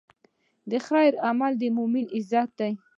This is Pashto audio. د خیر عمل د مؤمن عزت دی.